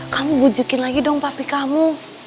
kamu bujukin lagi dong papi kamu